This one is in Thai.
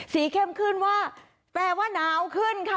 เข้มขึ้นว่าแปลว่าหนาวขึ้นค่ะ